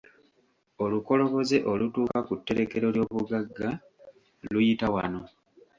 Olukoloboze olutuuka ku tterekero ly'obugagga luyita wano.